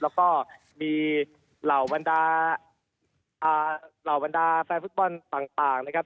แล้วก็มีเหล่าบรรดาเหล่าบรรดาแฟนฟุตบอลต่างนะครับ